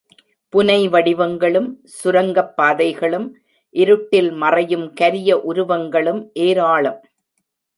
புனைவடிவங்களும், சுரங்கப் பாதைகளும் இருட்டில் மறையும் கரிய உருவங்களும் ஏராளம்...!